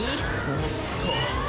おっと。